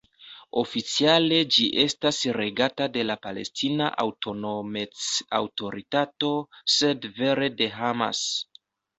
Oficiale ĝi estas regata de la Palestina Aŭtonomec-Aŭtoritato, sed vere de Hamas.